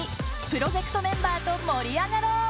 プロジェクトメンバーと盛り上がろう。